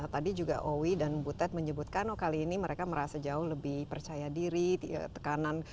tadi juga owi dan butet menyebutkan oh kali ini mereka merasa jauh lebih percaya diri tekanan